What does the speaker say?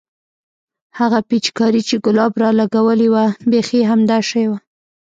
هغه پيچکارۍ چې ګلاب رالګولې وه بيخي همدا شى وه.